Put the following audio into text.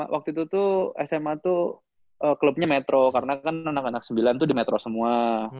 waktu itu tuh sma tuh klubnya metro karena kan anak anak sembilan tuh di metro semua